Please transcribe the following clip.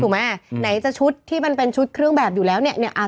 ถูกไหมอ่ะไหนจะชุดที่มันเป็นชุดเครื่องแบบอยู่แล้วเนี่ยเนี่ยอ่า